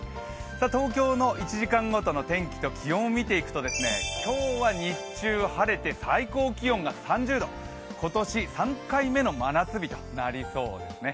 東京の１時間ごとの天気と気温を見ていきますと今日は日中晴れて、最高気温が３０度今年３回目の真夏日となりそうですね。